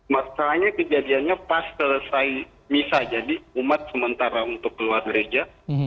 masalahnya kejadiannya pas selesai misa jadi umat sementara untuk keluar gereja